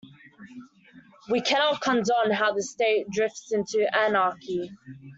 We cannot condone how the state drifts into anarchy.